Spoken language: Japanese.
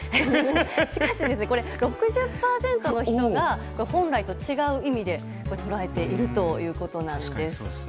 しかし、これを６０％の人が本来と違う意味で捉えているということなんです。